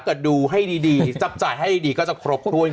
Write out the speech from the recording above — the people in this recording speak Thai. ดูให้ดีจับจ่ายให้ดีก็จะครบถ้วน